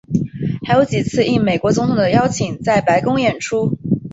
还有几次应美国总统的邀请在白宫演出。